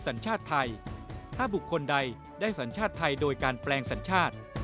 สัญชาติไทยถ้าบุคคลใดได้สัญชาติไทยโดยการแปลงสัญชาติ